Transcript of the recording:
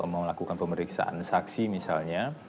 melakukan pemeriksaan saksi misalnya